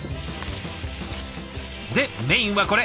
でメインはこれ。